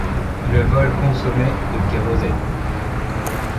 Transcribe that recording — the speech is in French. Le vol consommait de kérosène.